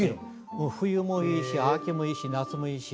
もう冬もいいし秋もいいし夏もいいし。